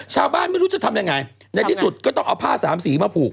ไม่รู้จะทำยังไงในที่สุดก็ต้องเอาผ้าสามสีมาผูก